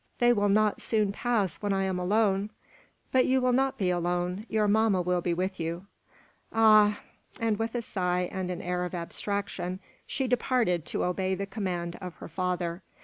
They will not soon pass when I am alone." "But you will not be alone. Your mamma will be with you." "Ah!" And with a sigh, and an air of abstraction, she departed to obey the command of her father.